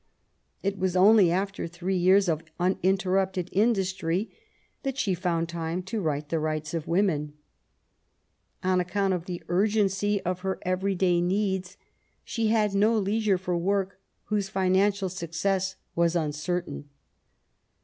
It was only after three years VISIT TO PARIS. Ill of uninterrupted industry that she found time to write the Rights of Women. On account of the urgency of her every day needs, she had no leisure for work whose financial success was uncertain.